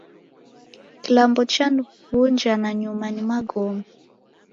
Kilambo chaniw'unja nanyuma ni magome.